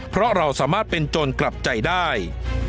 เพราะเราสามารถเป็นโจรกลับใจได้